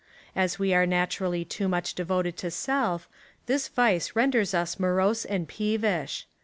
As we are naturally too much devoted to self, this vice renders us morose and peevish.